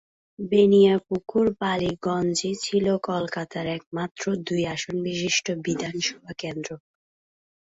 বেনিয়াপুকুর-বালিগঞ্জই ছিল কলকাতার একমাত্র দুই আসন-বিশিষ্ট বিধানসভা কেন্দ্র।